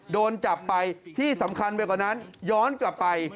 โดนจับไปที่สำคัญไปกว่านั้นย้อนกลับไป